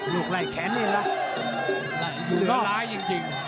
ลูกไหล่แขนนี่ล่ะเหลือร้ายจริง